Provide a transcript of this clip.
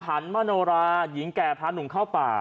มโนราหญิงแก่พาหนุ่มเข้าป่า